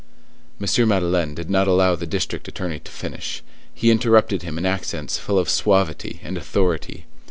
M. Madeleine did not allow the district attorney to finish; he interrupted him in accents full of suavity and authority.